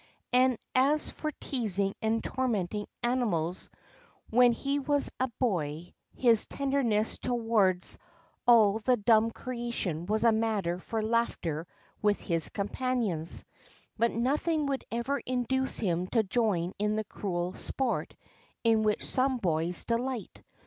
And as for teasing and tormenting animals, when he was a boy, his tenderness towards all the dumb creation was a matter for laughter with his companions ; but nothing would ever induce him to join in the cruel sport in which some boys delight.